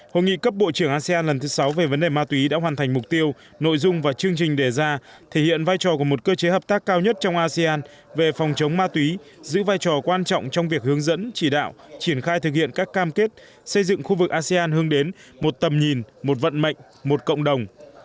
hội nghị cấp bộ trưởng asean lần thứ sáu về vấn đề ma túy đã hoàn thành mục tiêu nội dung và chương trình đề ra thể hiện vai trò của một cơ chế hợp tác cao nhất trong asean về phòng chống ma túy giữ vai trò quan trọng trong việc hướng dẫn chỉ đạo triển khai thực hiện các cam kết xây dựng khu vực asean hướng đến một tầm nhìn một vận mệnh một cộng đồng